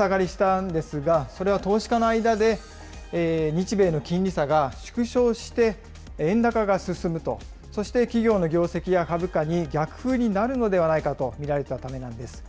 このとき値下がりした案ですが、それは投資家の間で、日米の金利差が縮小して、円高が進むと、そして企業の業績や株価に逆風になるのではないかと見られたためなんです。